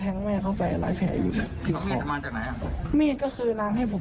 ทั้งคนอันนี้ผมไม่ได้อ้อมคอมหรือว่า